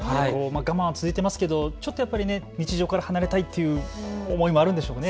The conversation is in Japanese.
我慢は続いてますけどやっぱりちょっと日常から離れたいという思いもあるんでしょうね。